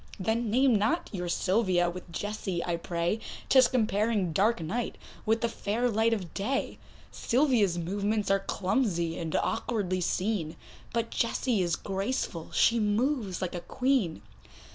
Then name not your Sylvia with Jessie I pray, 'Tis comparing dark night with the fair light of day; Sylvia's movements are clumsy, and awkwardly seen, But Jessie is graceful, she moves like a Queen.